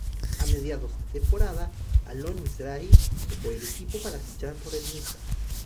A mediados de temporada, Alon Mizrahi dejó el equipo para fichar por el Niza.